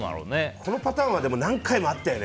このパターンは何回もあったよね。